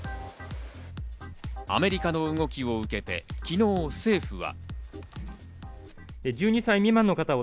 アメリカの動きを受けて昨日、政府は。